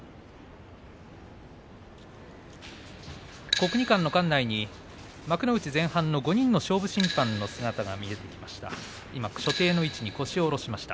国技館の館内に幕内前半の５人の勝負審判の姿が見えてきました。